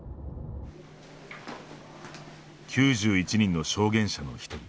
９１人の証言者の一人。